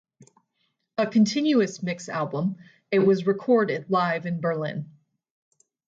A continuous mix album, it was recorded live in Berlin.